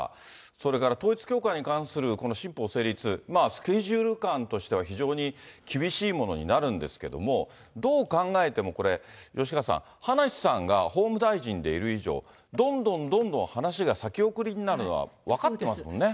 それから統一教会に関するこの新法成立、スケジュール感としては、非常に厳しいものになるんですけども、どう考えても、これ、吉川さん、葉梨さんが法務大臣でいる以上、どんどんどんどん話が先送りになるのは分かってますもんね。